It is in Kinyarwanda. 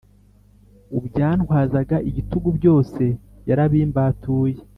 Ubyantwazaga igitugu byose yarabimbatuye